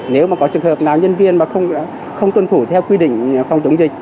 nếu mà có trường hợp nào nhân viên mà không tuân thủ theo quy định phòng chống dịch